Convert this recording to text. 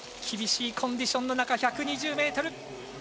厳しいコンディションの中１２０ｍ。